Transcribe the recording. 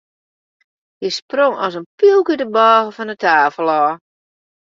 Hy sprong as in pylk út de bôge fan de tafel ôf.